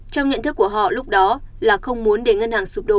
trong nhận thức của họ lúc đó là không muốn để ngân hàng sụp đổ